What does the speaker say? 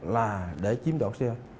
là để chiếm đọc xe